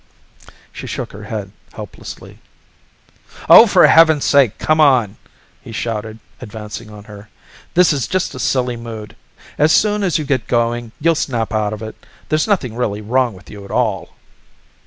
She shook her head helplessly. "Oh, for heaven's sake, come on!" he shouted, advancing on her. "This is just a silly mood. As soon as you get going, you'll snap out of it. There's nothing really wrong with you at all."